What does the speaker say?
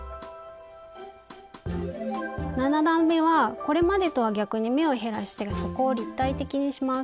７段めはこれまでとは逆に目を減らして底を立体的にします。